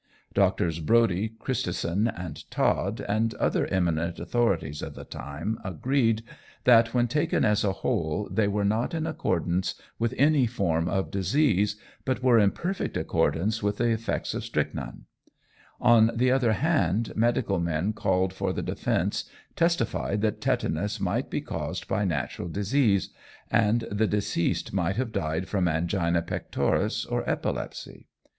Doctors Brodie, Christison and Todd, and other eminent authorities of the time agreed, that when taken as a whole they were not in accordance with any form of disease, but were in perfect accordance with the effects of strychnine. On the other hand, medical men called for the defence testified that tetanus might be caused by natural disease, and the deceased might have died from angina pectoris or epilepsy.